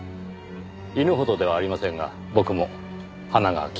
犬ほどではありませんが僕も鼻が利くほうでして。